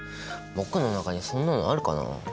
僕の中にそんなのあるかな？